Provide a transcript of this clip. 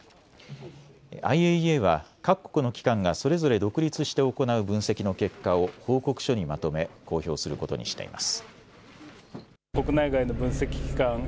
ＩＡＥＡは各国の機関がそれぞれ独立して行う分析の結果を報告書にまとめ公表することにしています。